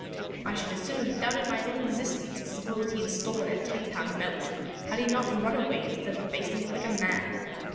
I should as soon have doubted my own existence as supposed he had stolen a ten pound note had he not run away instead of facing it like a man.